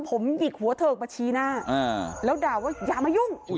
ผมหยิกหัวเถิกมาชี้หน้าแล้วด่าว่าอย่ามายุ่ง